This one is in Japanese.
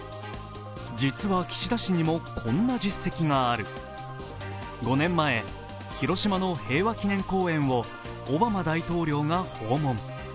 実は岸田氏にも、こんな実績がある５年前、広島の平和記念公園をオバマ大統領が訪問。